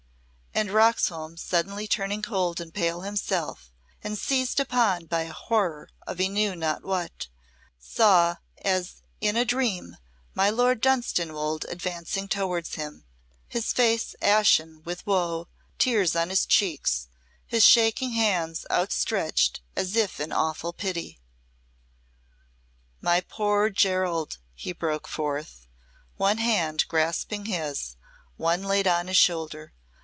And Roxholm, suddenly turning cold and pale himself, and seized upon by a horror of he knew not what, saw as in a dream my lord Dunstanwolde advancing towards him, his face ashen with woe, tears on his cheeks, his shaking hands outstretched as if in awful pity. "My poor Gerald," he broke forth, one hand grasping his, one laid on his shoulder.